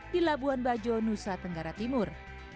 di labuan bajo nusa tenggara timur